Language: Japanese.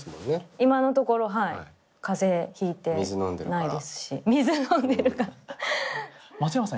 今のところはい風邪ひいてないですし水飲んでるから松山さん